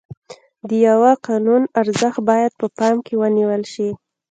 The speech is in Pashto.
د یوه قانون ارزښت باید په پام کې ونیول شي.